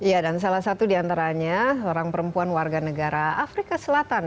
ya dan salah satu diantaranya orang perempuan warga negara afrika selatan